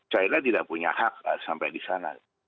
china tidak punya hak sampai di sana